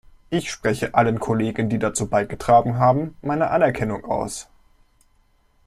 Ich spreche allen Kollegen, die dazu beigetragen haben, meine Anerkennung aus.